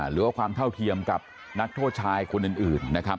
หรือว่าความเท่าเทียมกับนักโทษชายคนอื่นนะครับ